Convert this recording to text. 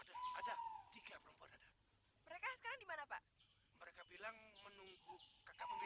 kami sampai mereka akan menyusul kami